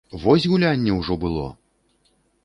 Вось гулянне ўжо было!